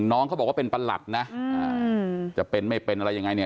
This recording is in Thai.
น้องเขาบอกว่าเป็นประหลัดนะจะเป็นไม่เป็นอะไรยังไงเนี่ย